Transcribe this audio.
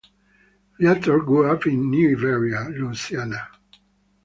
Viator grew up in New Iberia, Louisiana.